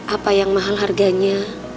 apa yang mahal harganya